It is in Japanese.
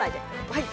はい。